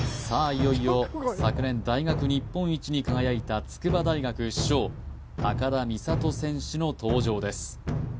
いよいよ昨年大学日本一に輝いた筑波大学主将高田実怜選手の登場です